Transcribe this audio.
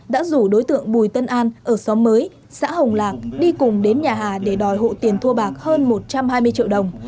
đã rủ đối tượng bùi tân an ở xóm mới xã hồng lạc đi cùng đến nhà hà để đòi hộ tiền thu bạc hơn một trăm hai mươi triệu đồng